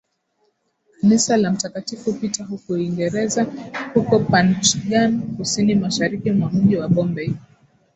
kanisa la mtakatifu Peter huko Uingereza huko Panchgani kusini mashariki mwa mji wa Bombay